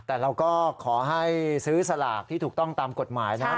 แต่เราก็ขอให้ซื้อสลากที่ถูกต้องตามกฎหมายนะครับ